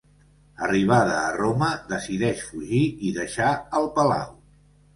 Arribada a Roma, decideix fugir i deixar el palau.